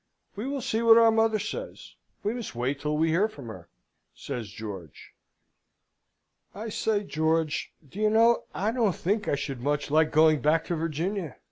"We will see what our mother says. We must wait till we hear from her," says George. "I say, George! Do you know, I don't think I should much like going back to Virginia?"